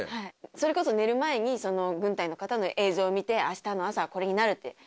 それこそ寝る前に軍隊の方の映像を見て明日の朝これになるって。